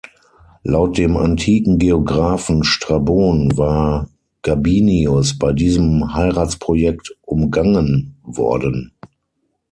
Laut dem antiken Geographen Strabon war Gabinius bei diesem Heiratsprojekt umgangen worden.